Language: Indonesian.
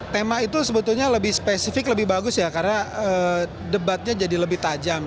tema itu sebetulnya lebih spesifik lebih bagus ya karena debatnya jadi lebih tajam